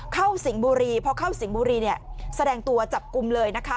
เข้าสิงบุรีพอเข้าสิงบุรีเนี่ยแสดงตัวจับกลุ่มเลยนะคะ